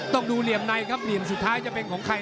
ต้องดูเหลี่ยมในครับเหลี่ยมสุดท้ายจะเป็นของใคร